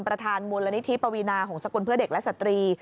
ประธานบุรณิธิปวีนาของสกุลเพื่อเด็กและสะดี